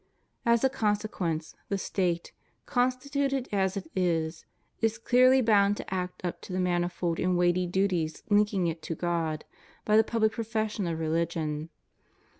As a consequence, the State, constituted as it is, is clearly bound to get up to the manifold and weighty duties Hnking it to God, by the public profession of religion.